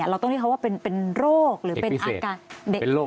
เราต้องเรียกเขาว่าเป็นโรค